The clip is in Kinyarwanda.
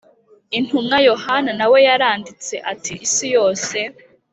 Intumwa yohana na we yaranditse ati isi yose